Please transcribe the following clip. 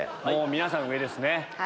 皆さん上ですね！